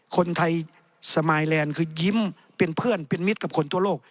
คนไทยสมายแลนด์คือยิ้มเป็นเพื่อนเป็นมิตรกับคนทั่วโลก